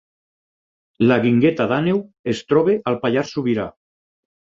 La Guingueta d’Àneu es troba al Pallars Sobirà